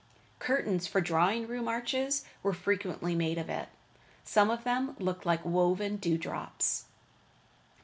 Curtains for drawing room arches were frequently made of it. Some of them looked like woven dew drops.